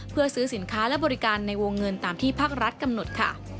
เพื่อซื้อสินค้าและบริการในวงเงินตามที่ภาครัฐกำหนดค่ะ